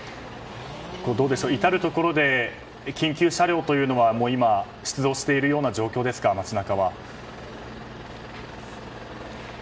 至るところで緊急車両は今、出動している状況ですか街中は。